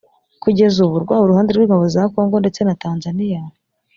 Kugeza ubu rwaba uruhande rw’ingabo za Kongo ndetse na Tanzania